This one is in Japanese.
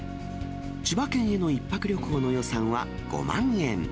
千葉県への１泊旅行の予算は５万円。